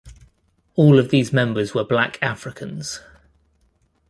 All of these members were black Africans.